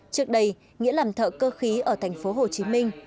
trước đây nghĩa làm thợ cơ khí ở thành phố hồ chí minh